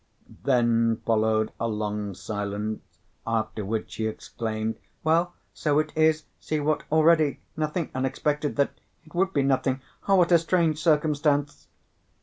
Then followed a long silence, after which he exclaimed, "Well, so it is! see what already nothing unexpected that it would be nothing what a strange circumstance!"